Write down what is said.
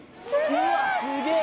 うわっすげえ